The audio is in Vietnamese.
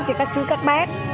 cho các chú các bác